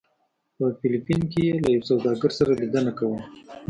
په فلپین کې یې له یو سوداګر سره لیدنه کوله.